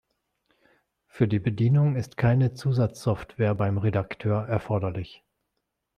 Für die Bedienung ist keine Zusatzsoftware beim Redakteur erforderlich.